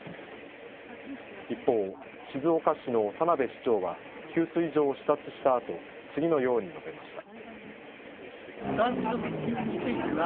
一方、静岡市の田辺市長は、給水所を視察したあと、次のように述べました。